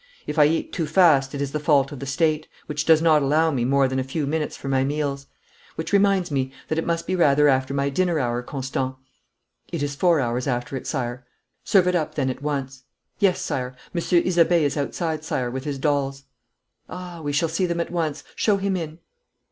If I eat too fast it is the fault of the State, which does not allow me more than a few minutes for my meals. Which reminds me that it must be rather after my dinner hour, Constant?' 'It is four hours after it, Sire.' 'Serve it up then at once.' 'Yes, Sire. Monsieur Isabey is outside, Sire, with his dolls.' 'Ah, we shall see them at once. Show him in.'